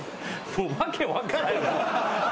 もう訳分からん。